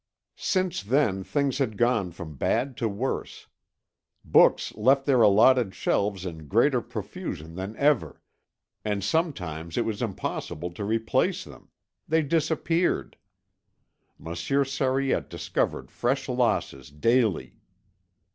Since then things had gone from bad to worse. Books left their allotted shelves in greater profusion than ever, and sometimes it was impossible to replace them; they disappeared. Monsieur Sariette discovered fresh losses daily.